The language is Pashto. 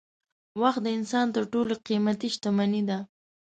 وخت د انسان تر ټولو قېمتي شتمني ده.